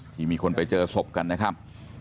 ที่มีคนไปเจอศพกันนะครับ